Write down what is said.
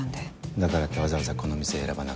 だからってわざわざこの店選ばなくても。